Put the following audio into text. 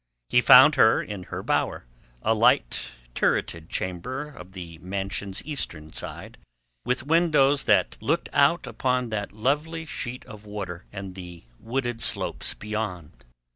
He found her in her bower—a light, turreted chamber on the mansion's eastern side, with windows that looked out upon that lovely sheet of water and the wooded slopes beyond.